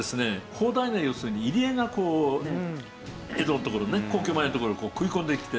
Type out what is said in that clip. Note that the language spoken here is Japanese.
広大な要するに入り江がこう江戸の所ね皇居前の所にこう食い込んできて。